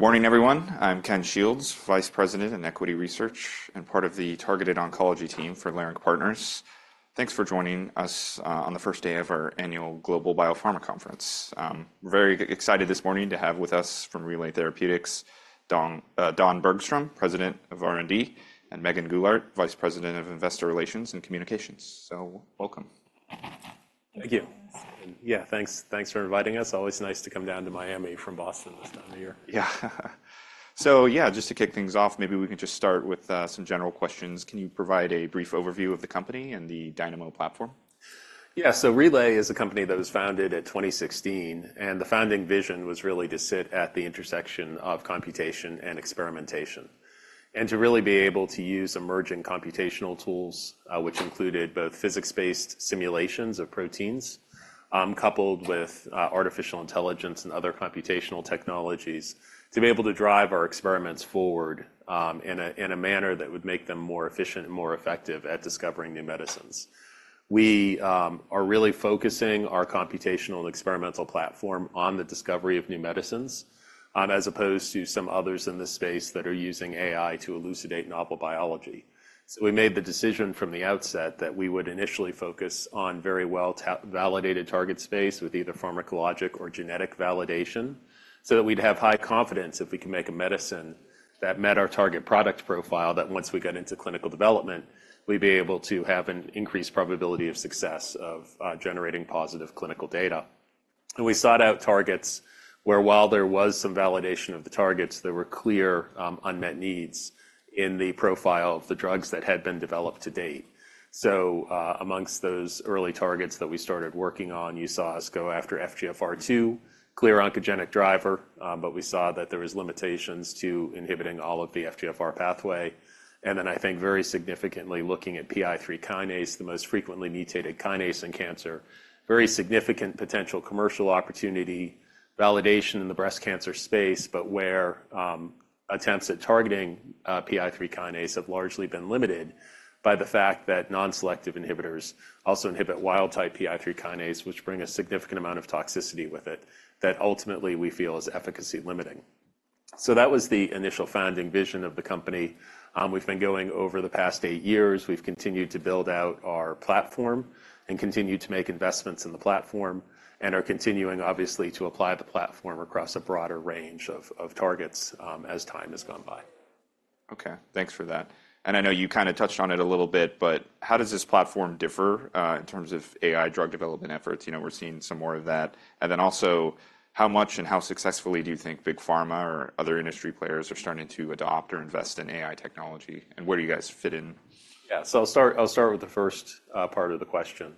Good morning, everyone. I'm Ken Shields, Vice President in Equity Research, and part of the targeted oncology team for Leerink Partners. Thanks for joining us on the first day of our annual Global Biopharma Conference. Very excited this morning to have with us from Relay Therapeutics Don Bergstrom, President of R&D, and Megan Goulart, Vice President of Investor Relations and Communications. So welcome. Thank you. Yeah, thanks for inviting us. Always nice to come down to Miami from Boston this time of year. Yeah. So yeah, just to kick things off, maybe we can just start with some general questions. Can you provide a brief overview of the company and the Dynamo platform? Yeah. So Relay is a company that was founded in 2016, and the founding vision was really to sit at the intersection of computation and experimentation, and to really be able to use emerging computational tools, which included both physics-based simulations of proteins coupled with artificial intelligence and other computational technologies, to be able to drive our experiments forward in a manner that would make them more efficient and more effective at discovering new medicines. We are really focusing our computational and experimental platform on the discovery of new medicines as opposed to some others in this space that are using AI to elucidate novel biology. So we made the decision from the outset that we would initially focus on very well-validated target space with either pharmacologic or genetic validation so that we'd have high confidence if we could make a medicine that met our target product profile that once we got into clinical development, we'd be able to have an increased probability of success of generating positive clinical data. We sought out targets where, while there was some validation of the targets, there were clear unmet needs in the profile of the drugs that had been developed to date. Among those early targets that we started working on, you saw us go after FGFR2, clear oncogenic driver, but we saw that there were limitations to inhibiting all of the FGFR pathway. And then I think very significantly looking at PI3 kinase, the most frequently mutated kinase in cancer, very significant potential commercial opportunity, validation in the breast cancer space, but where attempts at targeting PI3 kinase have largely been limited by the fact that non-selective inhibitors also inhibit wild-type PI3 kinase, which bring a significant amount of toxicity with it that ultimately we feel is efficacy limiting. So that was the initial founding vision of the company. We've been going over the past eight years. We've continued to build out our platform and continue to make investments in the platform and are continuing, obviously, to apply the platform across a broader range of targets as time has gone by. Okay. Thanks for that. And I know you kind of touched on it a little bit, but how does this platform differ in terms of AI drug development efforts? We're seeing some more of that. And then also, how much and how successfully do you think big pharma or other industry players are starting to adopt or invest in AI technology? And where do you guys fit in? Yeah. So I'll start with the first part of the question.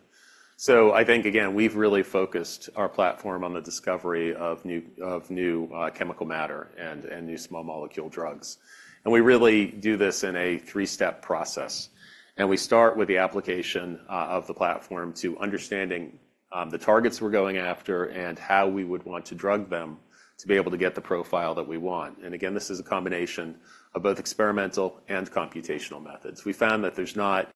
So I think, again, we've really focused our platform on the discovery of new chemical matter and new small molecule drugs. And we really do this in a three-step process. And we start with the application of the platform to understanding the targets we're going after and how we would want to drug them to be able to get the profile that we want. And again, this is a combination of both experimental and computational methods. We found that there's not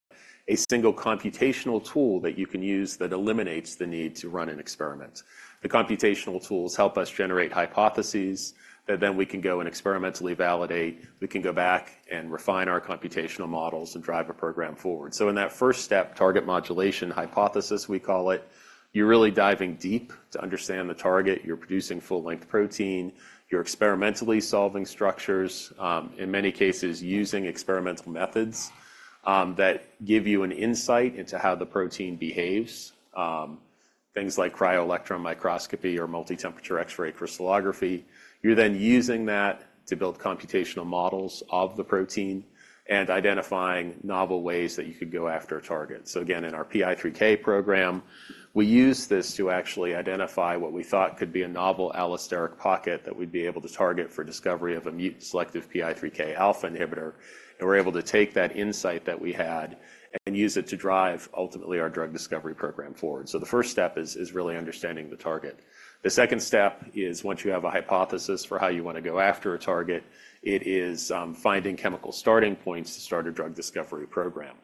a single computational tool that you can use that eliminates the need to run an experiment. The computational tools help us generate hypotheses that then we can go and experimentally validate. We can go back and refine our computational models and drive a program forward. So in that first step, target modulation hypothesis, we call it, you're really diving deep to understand the target. You're producing full-length protein. You're experimentally solving structures, in many cases, using experimental methods that give you an insight into how the protein behaves, things like cryoelectron microscopy or multitemperature X-ray crystallography. You're then using that to build computational models of the protein and identifying novel ways that you could go after a target. So again, in our PI3K program, we used this to actually identify what we thought could be a novel allosteric pocket that we'd be able to target for discovery of a mutant selective PI3K alpha inhibitor. And we're able to take that insight that we had and use it to drive, ultimately, our drug discovery program forward. So the first step is really understanding the target. The second step is, once you have a hypothesis for how you want to go after a target, it is finding chemical starting points to start a drug discovery program.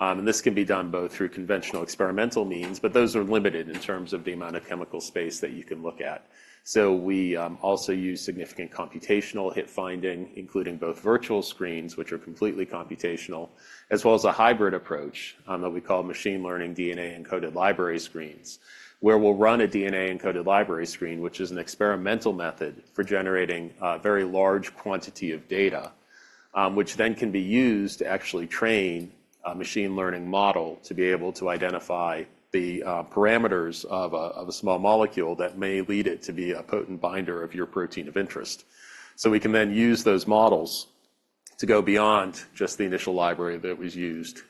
And this can be done both through conventional experimental means, but those are limited in terms of the amount of chemical space that you can look at. So we also use significant computational hit finding, including both virtual screens, which are completely computational, as well as a hybrid approach that we call machine learning DNA-encoded library screens, where we'll run a DNA-encoded library screen, which is an experimental method for generating a very large quantity of data, which then can be used to actually train a machine learning model to be able to identify the parameters of a small molecule that may lead it to be a potent binder of your protein of interest. So we can then use those models to go beyond just the initial library that was used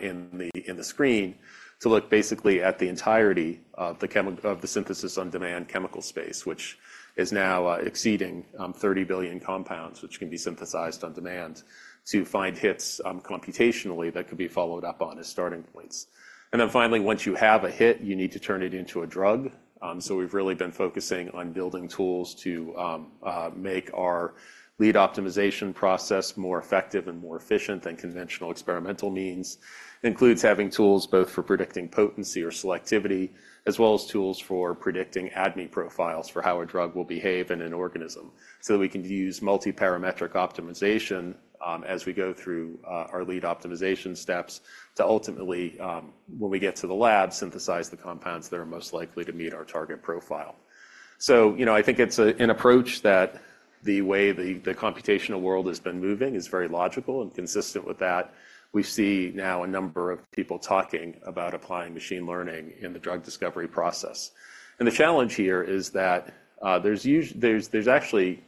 in the screen to look basically at the entirety of the synthesis-on-demand chemical space, which is now exceeding 30 billion compounds, which can be synthesized-on-demand, to find hits computationally that could be followed up on as starting points. And then finally, once you have a hit, you need to turn it into a drug. So we've really been focusing on building tools to make our lead optimization process more effective and more efficient than conventional experimental means. It includes having tools both for predicting potency or selectivity, as well as tools for predicting ADME profiles for how a drug will behave in an organism so that we can use multiparametric optimization as we go through our lead optimization steps to ultimately, when we get to the lab, synthesize the compounds that are most likely to meet our target profile. I think it's an approach that the way the computational world has been moving is very logical and consistent with that. We see now a number of people talking about applying machine learning in the drug discovery process. The challenge here is that there's actually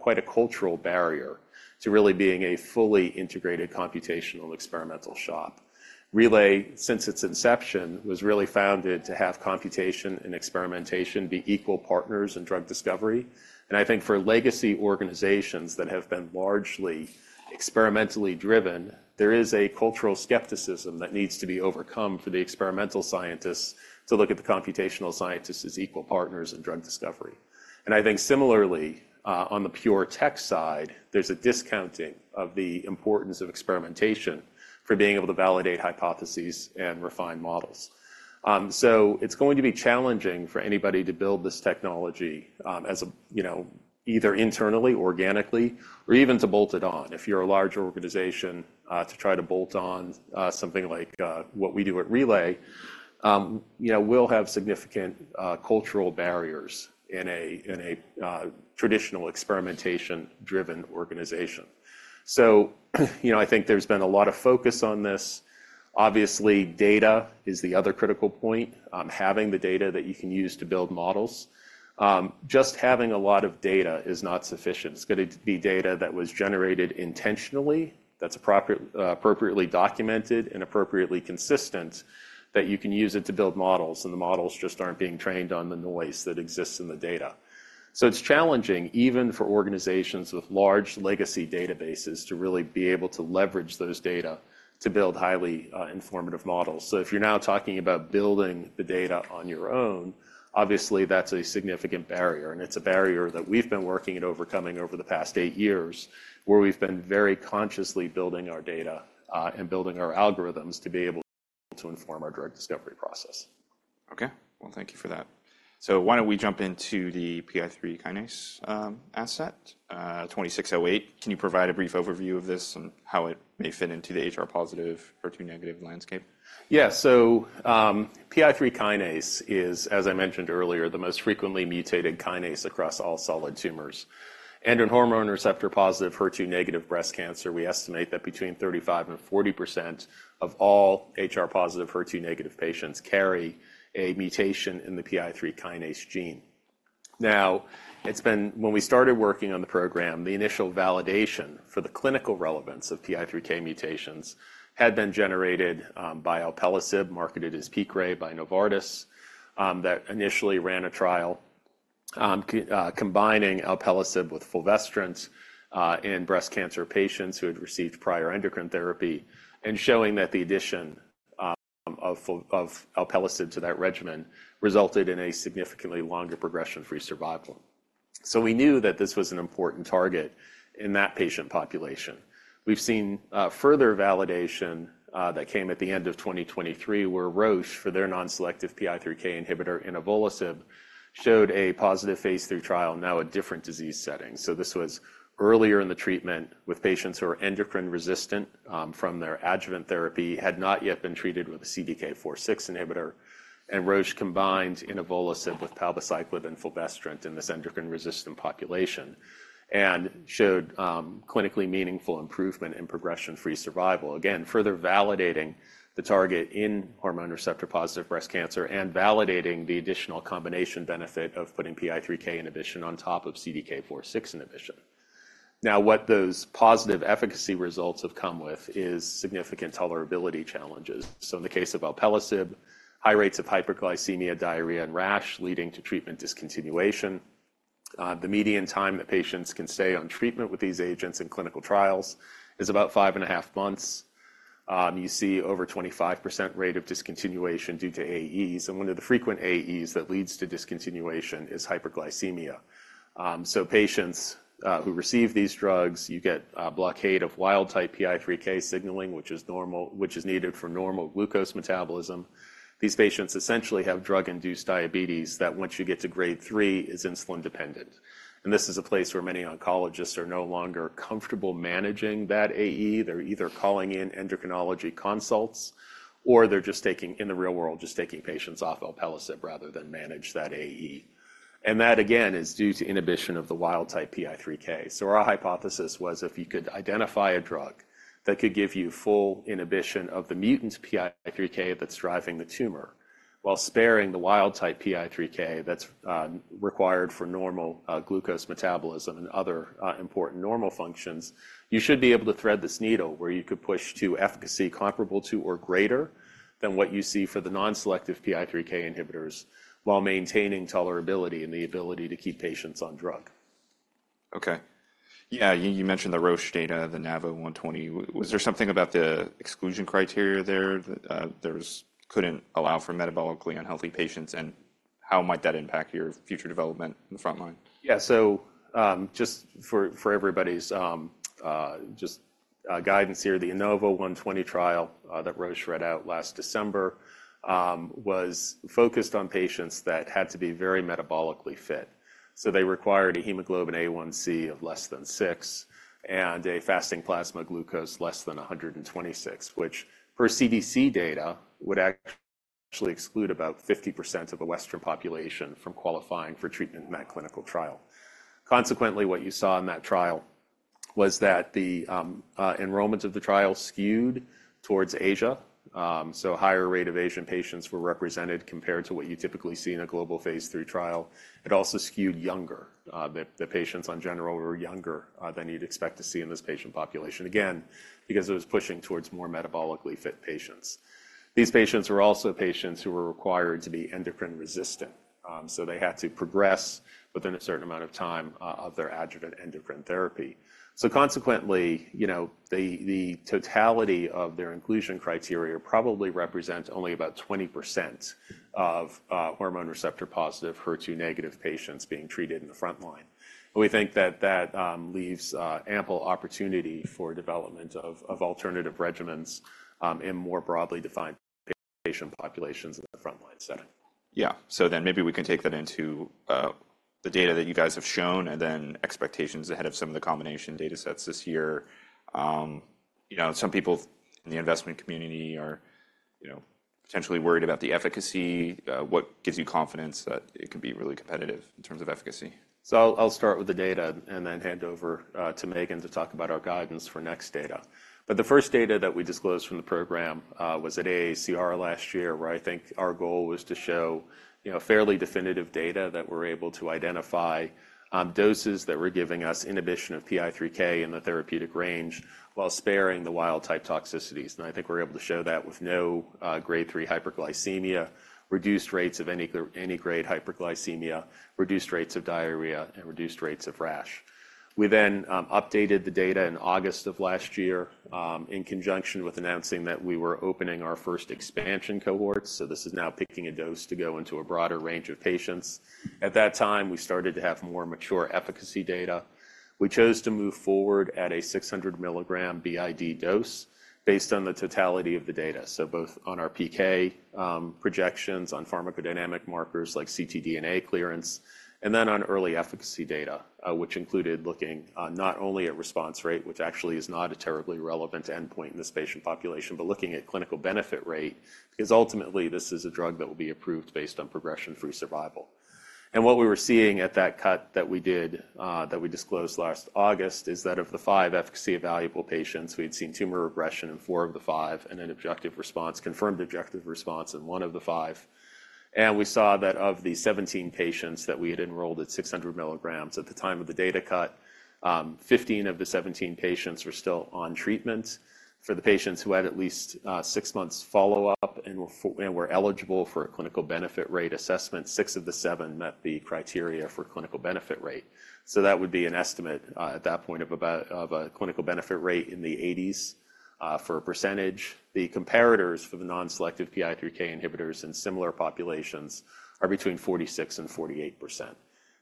quite a cultural barrier to really being a fully integrated computational experimental shop. Relay, since its inception, was really founded to have computation and experimentation be equal partners in drug discovery. And I think for legacy organizations that have been largely experimentally driven, there is a cultural skepticism that needs to be overcome for the experimental scientists to look at the computational scientists as equal partners in drug discovery. And I think similarly, on the pure tech side, there's a discounting of the importance of experimentation for being able to validate hypotheses and refine models. So it's going to be challenging for anybody to build this technology either internally, organically, or even to bolt it on. If you're a large organization to try to bolt on something like what we do at Relay, we'll have significant cultural barriers in a traditional experimentation-driven organization. So I think there's been a lot of focus on this. Obviously, data is the other critical point, having the data that you can use to build models. Just having a lot of data is not sufficient. It's got to be data that was generated intentionally, that's appropriately documented and appropriately consistent, that you can use it to build models, and the models just aren't being trained on the noise that exists in the data. So it's challenging, even for organizations with large legacy databases, to really be able to leverage those data to build highly informative models. So if you're now talking about building the data on your own, obviously, that's a significant barrier. And it's a barrier that we've been working at overcoming over the past eight years, where we've been very consciously building our data and building our algorithms to be able to inform our drug discovery process. Okay. Well, thank you for that. So why don't we jump into the PI3 kinase asset, 2608? Can you provide a brief overview of this and how it may fit into the HR-positive, HER2-negative landscape? Yeah. So PI3 kinase is, as I mentioned earlier, the most frequently mutated kinase across all solid tumors. And in hormone receptor-positive HER2-negative breast cancer, we estimate that between 35%-40% of all HR-positive HER2-negative patients carry a mutation in the PI3 kinase gene. Now, when we started working on the program, the initial validation for the clinical relevance of PI3K mutations had been generated by alpelisib, marketed as Piqray by Novartis, that initially ran a trial combining alpelisib with fulvestrant in breast cancer patients who had received prior endocrine therapy, and showing that the addition of alpelisib to that regimen resulted in a significantly longer progression-free survival rate. So we knew that this was an important target in that patient population. We've seen further validation that came at the end of 2023, where Roche, for their non-selective PI3K inhibitor, inavolisib, showed a positive phase III trial in a different disease setting. So this was earlier in the treatment with patients who were endocrine-resistant from their adjuvant therapy, had not yet been treated with a CDK4/6 inhibitor, and Roche combined inavolisib with palbociclib and fulvestrant in this endocrine-resistant population and showed clinically meaningful improvement in progression-free survival, again, further validating the target in hormone receptor-positive breast cancer and validating the additional combination benefit of putting PI3K inhibition on top of CDK4/6 inhibition. Now, what those positive efficacy results have come with is significant tolerability challenges. So in the case of alpelisib, high rates of hyperglycemia, diarrhea, and rash leading to treatment discontinuation. The median time that patients can stay on treatment with these agents in clinical trials is about five and a half months. You see over a 25% rate of discontinuation due to AEs. And one of the frequent AEs that leads to discontinuation is hyperglycemia. So patients who receive these drugs, you get a blockade of wild-type PI3K signaling, which is needed for normal glucose metabolism. These patients essentially have drug-induced diabetes that, once you get to grade 3, is insulin-dependent. And this is a place where many oncologists are no longer comfortable managing that AE. They're either calling in endocrinology consults or they're just taking, in the real world, just taking patients off alpelisib rather than manage that AE. And that, again, is due to inhibition of the wild-type PI3K. Our hypothesis was if you could identify a drug that could give you full inhibition of the mutant PI3K that's driving the tumor while sparing the wild-type PI3K that's required for normal glucose metabolism and other important normal functions, you should be able to thread this needle where you could push to efficacy comparable to or greater than what you see for the non-selective PI3K inhibitors while maintaining tolerability and the ability to keep patients on drug. Okay. Yeah. You mentioned the Roche data, the INAVO120. Was there something about the exclusion criteria there that couldn't allow for metabolically unhealthy patients? And how might that impact your future development in the front line? Yeah. So just for everybody's guidance here, the INAVO120 trial that Roche read out last December was focused on patients that had to be very metabolically fit. So they required a hemoglobin A1c of less than six and a fasting plasma glucose less than 126, which, per CDC data, would actually exclude about 50% of the Western population from qualifying for treatment in that clinical trial. Consequently, what you saw in that trial was that the enrollments of the trial skewed towards Asia. So a higher rate of Asian patients were represented compared to what you typically see in a global phase III trial. It also skewed younger. The patients in general were younger than you'd expect to see in this patient population, again, because it was pushing towards more metabolically fit patients. These patients were also patients who were required to be endocrine-resistant. They had to progress within a certain amount of time of their adjuvant endocrine therapy. Consequently, the totality of their inclusion criteria probably represents only about 20% of hormone receptor-positive HER2-negative patients being treated in the front line. We think that that leaves ample opportunity for development of alternative regimens in more broadly defined patient populations in the front line setting. Yeah. So then maybe we can take that into the data that you guys have shown and then expectations ahead of some of the combination datasets this year. Some people in the investment community are potentially worried about the efficacy. What gives you confidence that it can be really competitive in terms of efficacy? So I'll start with the data and then hand over to Megan to talk about our guidance for next data. But the first data that we disclosed from the program was at AACR last year, where I think our goal was to show fairly definitive data that we're able to identify doses that were giving us inhibition of PI3K in the therapeutic range while sparing the wild-type toxicities. And I think we're able to show that with no grade 3 hyperglycemia, reduced rates of any grade hyperglycemia, reduced rates of diarrhea, and reduced rates of rash. We then updated the data in August of last year in conjunction with announcing that we were opening our first expansion cohort. So this is now picking a dose to go into a broader range of patients. At that time, we started to have more mature efficacy data. We chose to move forward at a 600 mg b.i.d. dose based on the totality of the data, so both on our PK projections, on pharmacodynamic markers like ctDNA clearance, and then on early efficacy data, which included looking not only at response rate, which actually is not a terribly relevant endpoint in this patient population, but looking at clinical benefit rate because ultimately, this is a drug that will be approved based on progression-free survival. What we were seeing at that cut that we did that we disclosed last August is that of the five efficacy evaluable patients, we had seen tumor regression in four of the five and an objective response, confirmed objective response in one of the five. We saw that of the 17 patients that we had enrolled at 600 mg at the time of the data cut, 15 of the 17 patients were still on treatment. For the patients who had at least six months follow-up and were eligible for a clinical benefit rate assessment, six of the seven met the criteria for clinical benefit rate. That would be an estimate at that point of a clinical benefit rate in the 80s%. The comparators for the non-selective PI3K inhibitors in similar populations are between 46% and 48%.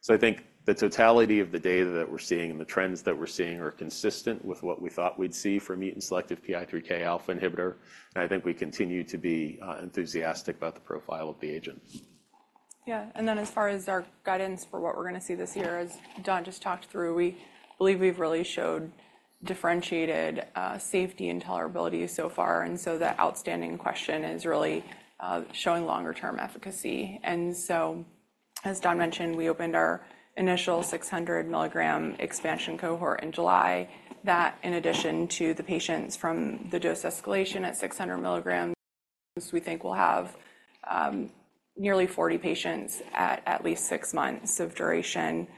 I think the totality of the data that we're seeing and the trends that we're seeing are consistent with what we thought we'd see for a mutant selective PI3K alpha inhibitor. I think we continue to be enthusiastic about the profile of the agent. Yeah. And then as far as our guidance for what we're going to see this year, as Don just talked through, we believe we've really showed differentiated safety and tolerability so far. And so the outstanding question is really showing longer-term efficacy. And so as Don mentioned, we opened our initial 600 mg expansion cohort in July. That, in addition to the patients from the dose escalation at 600 mg, we think we'll have nearly 40 patients at least six months of duration.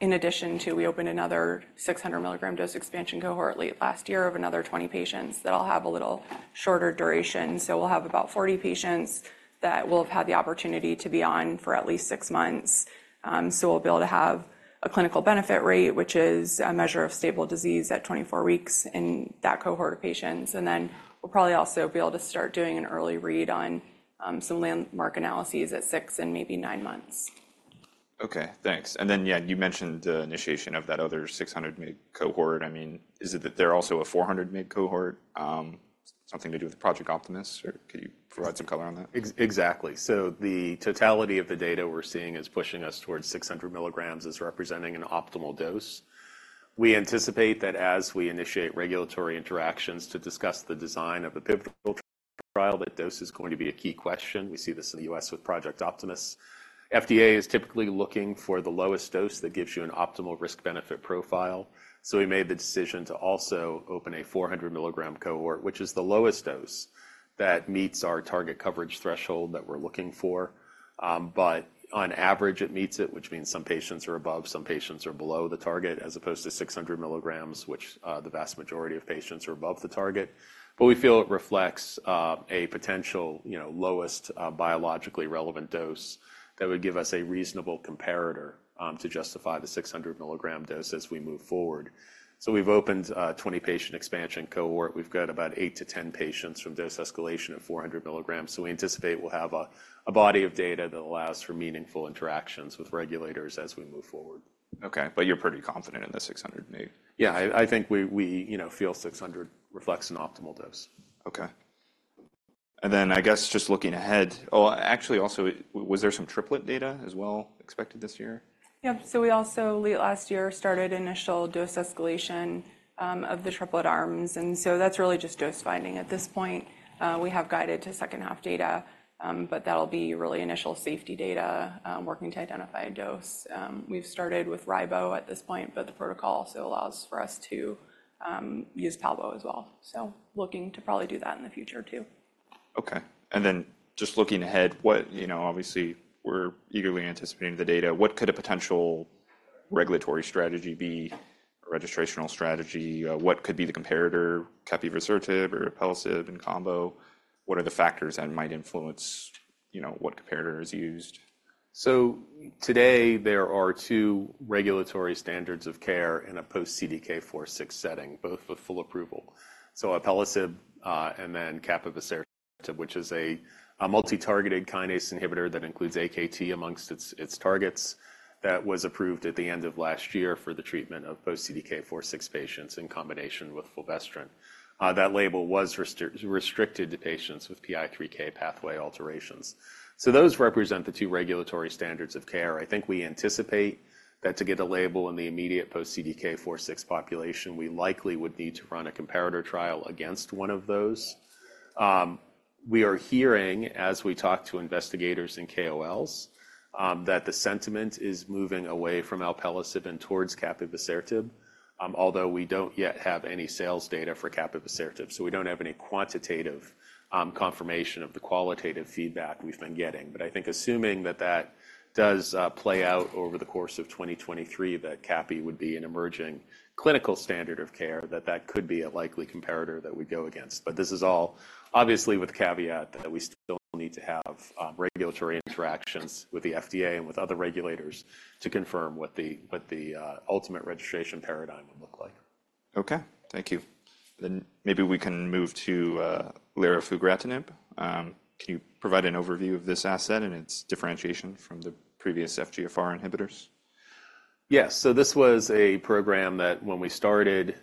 In addition to, we opened another 600 mg dose expansion cohort late last year of another 20 patients that'll have a little shorter duration. So we'll have about 40 patients that will have had the opportunity to be on for at least six months. We'll be able to have a clinical benefit rate, which is a measure of stable disease at 24 weeks in that cohort of patients. Then we'll probably also be able to start doing an early read on some landmark analyses at six and maybe nine months. Okay. Thanks. And then, yeah, you mentioned the initiation of that other 600-mg cohort. I mean, is it that there also a 400-mg cohort? Something to do with Project Optimus, or could you provide some color on that? Exactly. So the totality of the data we're seeing is pushing us towards 600 mg as representing an optimal dose. We anticipate that as we initiate regulatory interactions to discuss the design of a pivotal trial, that dose is going to be a key question. We see this in the U.S. with Project Optimus. FDA is typically looking for the lowest dose that gives you an optimal risk-benefit profile. So we made the decision to also open a 400 mg cohort, which is the lowest dose that meets our target coverage threshold that we're looking for. But on average, it meets it, which means some patients are above, some patients are below the target, as opposed to 600 mg, which the vast majority of patients are above the target. But we feel it reflects a potential lowest biologically relevant dose that would give us a reasonable comparator to justify the 600 mg dose as we move forward. So we've opened a 20-patient expansion cohort. We've got about 8-10 patients from dose escalation at 400 mg. So we anticipate we'll have a body of data that allows for meaningful interactions with regulators as we move forward. Okay. But you're pretty confident in the 600-mg? Yeah. I think we feel 600 reflects an optimal dose. Okay. And then I guess just looking ahead, oh, actually, also, was there some triplet data as well expected this year? Yeah. We also, late last year, started initial dose escalation of the triplet arms. That's really just dose finding. At this point, we have guided to second-half data, but that'll be really initial safety data working to identify a dose. We've started with Ribo at this point, but the protocol also allows for us to use Palbo as well. Looking to probably do that in the future too. Okay. And then just looking ahead, obviously, we're eagerly anticipating the data. What could a potential regulatory strategy be, a registrational strategy? What could be the comparator, capivasertib or alpelisib in combo? What are the factors that might influence what comparator is used? So today, there are two regulatory standards of care in a post-CDK4/6 setting, both with full approval. alpelisib and then capivasertib, which is a multitargeted kinase inhibitor that includes AKT among its targets, that was approved at the end of last year for the treatment of post-CDK4/6 patients in combination with fulvestrant. That label was restricted to patients with PI3K pathway alterations. Those represent the two regulatory standards of care. I think we anticipate that to get a label in the immediate post-CDK4/6 population, we likely would need to run a comparator trial against one of those. We are hearing, as we talk to investigators and KOLs, that the sentiment is moving away from alpelisib and towards capivasertib, although we don't yet have any sales data for capivasertib. We don't have any quantitative confirmation of the qualitative feedback we've been getting. But I think assuming that that does play out over the course of 2023, that Capi would be an emerging clinical standard of care, that that could be a likely comparator that we'd go against. But this is all, obviously, with the caveat that we still need to have regulatory interactions with the FDA and with other regulators to confirm what the ultimate registration paradigm would look like. Okay. Thank you. Maybe we can move to lirafugratinib. Can you provide an overview of this asset and its differentiation from the previous FGFR inhibitors? Yeah. So this was a program that, when we started,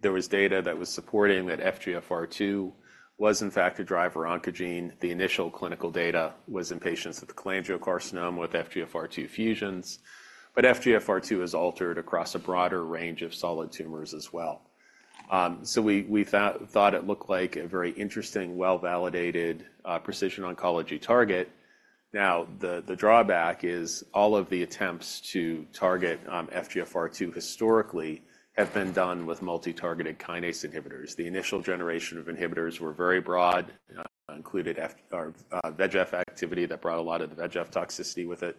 there was data that was supporting that FGFR2 was, in fact, a driver oncogene. The initial clinical data was in patients with cholangiocarcinoma with FGFR2 fusions. But FGFR2 is altered across a broader range of solid tumors as well. So we thought it looked like a very interesting, well-validated precision oncology target. Now, the drawback is all of the attempts to target FGFR2 historically have been done with multitargeted kinase inhibitors. The initial generation of inhibitors were very broad, included VEGF activity that brought a lot of the VEGF toxicity with it.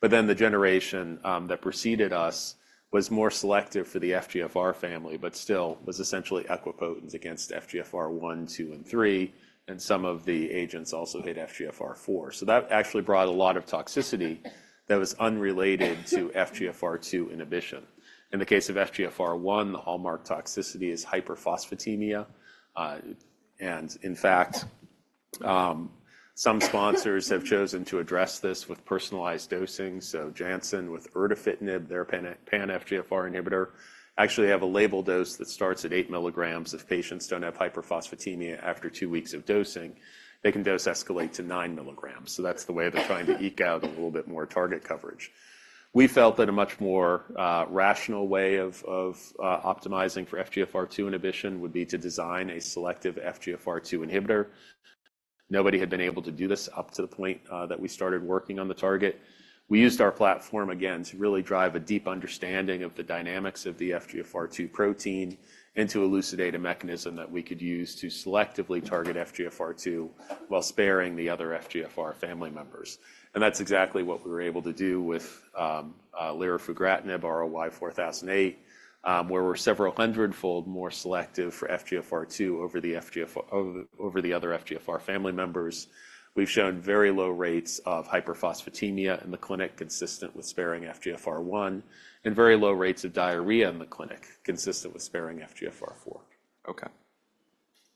But then the generation that preceded us was more selective for the FGFR family, but still was essentially equipotent against FGFR1, 2, and 3. And some of the agents also hit FGFR4. So that actually brought a lot of toxicity that was unrelated to FGFR2 inhibition. In the case of FGFR1, the hallmark toxicity is hyperphosphatemia. In fact, some sponsors have chosen to address this with personalized dosing. Janssen with erdafitinib, their pan-FGFR inhibitor, actually have a labeled dose that starts at 8 mg. If patients don't have hyperphosphatemia after two weeks of dosing, they can dose escalate to 9 mg. That's the way they're trying to eke out a little bit more target coverage. We felt that a much more rational way of optimizing for FGFR2 inhibition would be to design a selective FGFR2 inhibitor. Nobody had been able to do this up to the point that we started working on the target. We used our platform, again, to really drive a deep understanding of the dynamics of the FGFR2 protein and to elucidate a mechanism that we could use to selectively target FGFR2 while sparing the other FGFR family members. That's exactly what we were able to do with lirafugratinib, RLY-4008, where we're several hundredfold more selective for FGFR2 over the other FGFR family members. We've shown very low rates of hyperphosphatemia in the clinic, consistent with sparing FGFR1, and very low rates of diarrhea in the clinic, consistent with sparing FGFR4. Okay.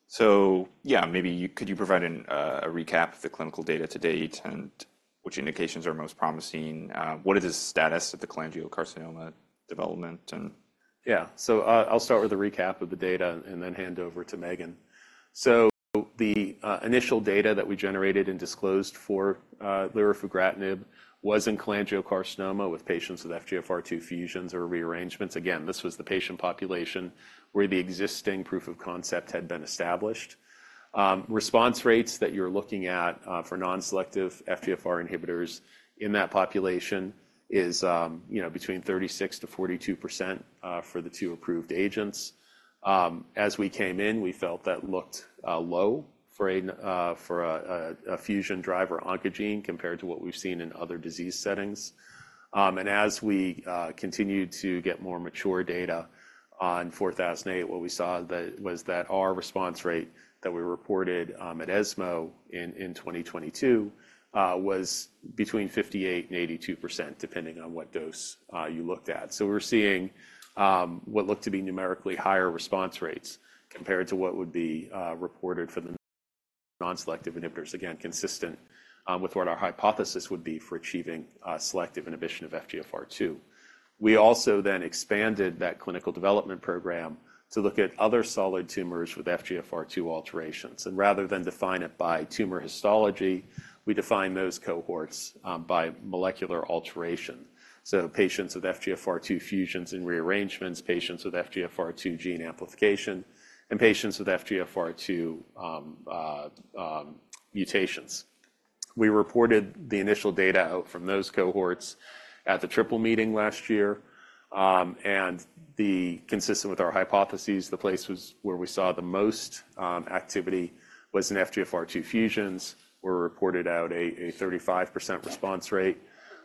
So yeah, maybe could you provide a recap of the clinical data to date and which indications are most promising? What is the status of the cholangiocarcinoma development and? Yeah. So I'll start with a recap of the data and then hand over to Megan. The initial data that we generated and disclosed for lirafugratinib was in cholangiocarcinoma with patients with FGFR2 fusions or rearrangements. Again, this was the patient population where the existing proof of concept had been established. Response rates that you're looking at for non-selective FGFR inhibitors in that population is between 36%-42% for the two approved agents. As we came in, we felt that looked low for a fusion driver oncogene compared to what we've seen in other disease settings. As we continued to get more mature data on 4008, what we saw was that our response rate that we reported at ESMO in 2022 was between 58% and 82%, depending on what dose you looked at. So we were seeing what looked to be numerically higher response rates compared to what would be reported for the non-selective inhibitors, again, consistent with what our hypothesis would be for achieving selective inhibition of FGFR2. We also then expanded that clinical development program to look at other solid tumors with FGFR2 alterations. And rather than define it by tumor histology, we defined those cohorts by molecular alteration. So patients with FGFR2 fusions and rearrangements, patients with FGFR2 gene amplification, and patients with FGFR2 mutations. We reported the initial data out from those cohorts at the Triple Meeting last year. And consistent with our hypotheses, the place where we saw the most activity was in FGFR2 fusions, where we reported out a 35% response rate.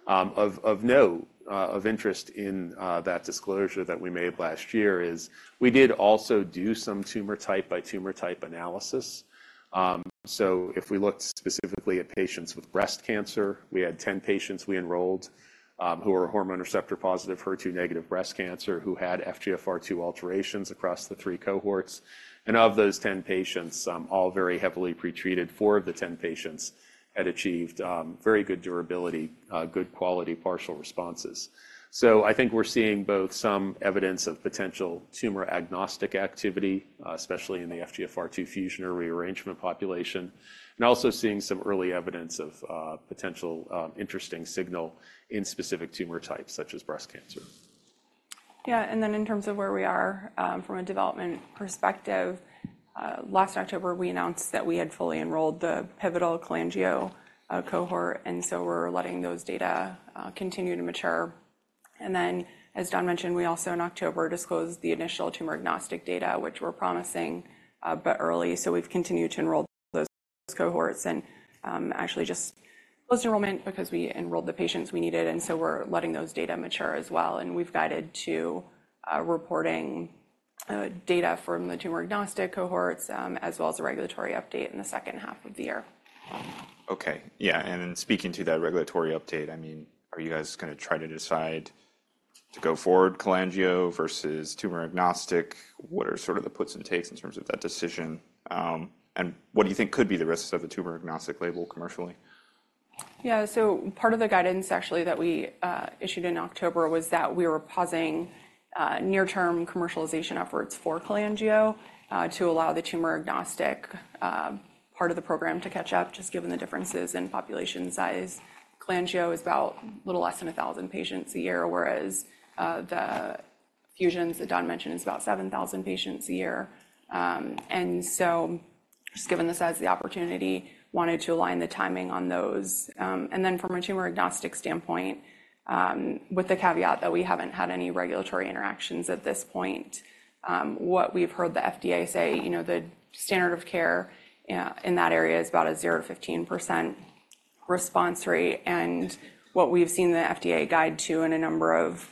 Of note of interest in that disclosure that we made last year is we did also do some tumor type by tumor type analysis. So if we looked specifically at patients with breast cancer, we had 10 patients we enrolled who were hormone receptor-positive, HER2-negative breast cancer, who had FGFR2 alterations across the three cohorts. And of those 10 patients, all very heavily pretreated, four of the 10 patients had achieved very good durability, good quality partial responses. So I think we're seeing both some evidence of potential tumor-agnostic activity, especially in the FGFR2 fusion or rearrangement population, and also seeing some early evidence of potential interesting signal in specific tumor types such as breast cancer. Yeah. And then in terms of where we are from a development perspective, last October, we announced that we had fully enrolled the pivotal cholangiocarcinoma cohort. And so we're letting those data continue to mature. And then, as Don mentioned, we also, in October, disclosed the initial tumor-agnostic data, which were promising but early. So we've continued to enroll those cohorts and actually just closed enrollment because we enrolled the patients we needed. And so we're letting those data mature as well. And we've guided to reporting data from the tumor-agnostic cohorts as well as a regulatory update in the second half of the year. Okay. Yeah. And then speaking to that regulatory update, I mean, are you guys going to try to decide to go forward cholangiocarcinoma versus tumor-agnostic? What are sort of the puts and takes in terms of that decision? And what do you think could be the risks of the tumor-agnostic label commercially? Yeah. So part of the guidance, actually, that we issued in October was that we were pausing near-term commercialization efforts for cholangio to allow the tumor-agnostic part of the program to catch up, just given the differences in population size. Cholangio is about a little less than 1,000 patients a year, whereas the fusions that Don mentioned is about 7,000 patients a year. And so just given the size of the opportunity, wanted to align the timing on those. And then from a tumor-agnostic standpoint, with the caveat that we haven't had any regulatory interactions at this point, what we've heard the FDA say, the standard of care in that area is about a 0%-15% response rate. What we've seen the FDA guide to in a number of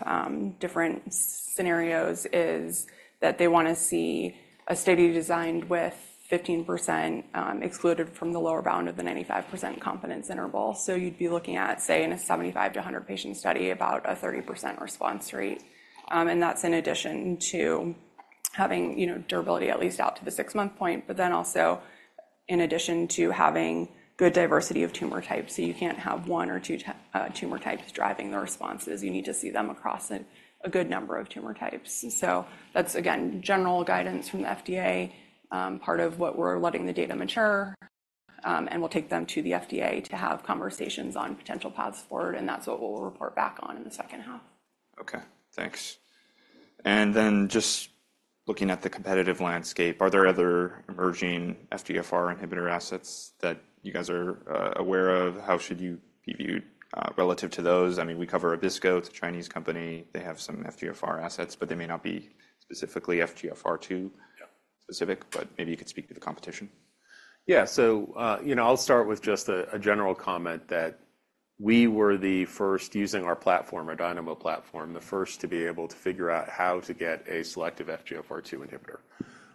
different scenarios is that they want to see a study designed with 15% excluded from the lower bound of the 95% confidence interval. So you'd be looking at, say, in a 75-100 patient study, about a 30% response rate. And that's in addition to having durability, at least out to the 6-month point, but then also in addition to having good diversity of tumor types. So you can't have one or two tumor types driving the responses. You need to see them across a good number of tumor types. So that's, again, general guidance from the FDA, part of what we're letting the data mature, and we'll take them to the FDA to have conversations on potential paths forward. And that's what we'll report back on in the second half. Okay. Thanks. And then just looking at the competitive landscape, are there other emerging FGFR inhibitor assets that you guys are aware of? How should you be viewed relative to those? I mean, we cover Abbisko, it's a Chinese company. They have some FGFR assets, but they may not be specifically FGFR2 specific, but maybe you could speak to the competition. Yeah. So I'll start with just a general comment that we were the first using our platform, our Dynamo platform, the first to be able to figure out how to get a selective FGFR2 inhibitor.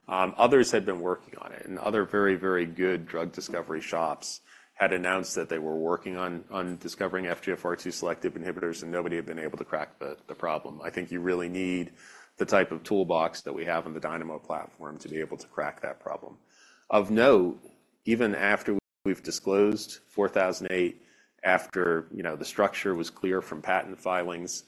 Others had been working on it, and other very, very good drug discovery shops had announced that they were working on discovering FGFR2 selective inhibitors, and nobody had been able to crack the problem. I think you really need the type of toolbox that we have on the Dynamo platform to be able to crack that problem. Of note, even after we've disclosed 4008, after the structure was clear from patent filings,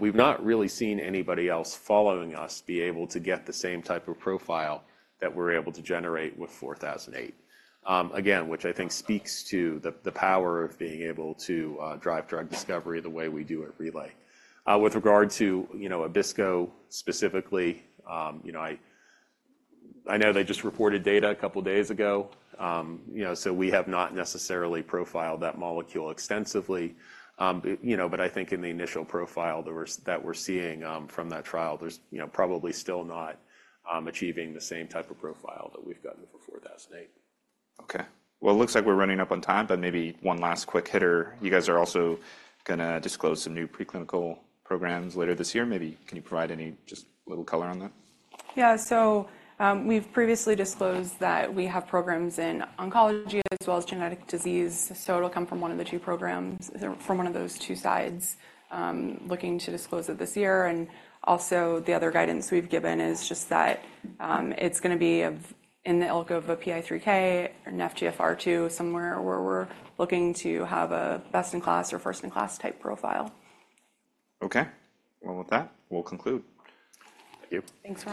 we've not really seen anybody else following us be able to get the same type of profile that we're able to generate with 4008. Again, which I think speaks to the power of being able to drive drug discovery the way we do at Relay. With regard to Abbisko specifically, I know they just reported data a couple of days ago. So we have not necessarily profiled that molecule extensively. But I think in the initial profile that we're seeing from that trial, they're probably still not achieving the same type of profile that we've gotten for 4008. Okay. Well, it looks like we're running up on time, but maybe one last quick hitter. You guys are also going to disclose some new preclinical programs later this year. Maybe can you provide any just little color on that? Yeah. So we've previously disclosed that we have programs in oncology as well as genetic disease. So it'll come from one of the two programs, from one of those two sides, looking to disclose it this year. And also the other guidance we've given is just that it's going to be in the ilk of a PI3K and FGFR2 somewhere where we're looking to have a best-in-class or first-in-class type profile. Okay. Well, with that, we'll conclude. Thank you. Thanks.